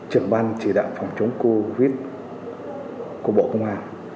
trưởng ban chỉ đạo phòng chống covid của bộ công an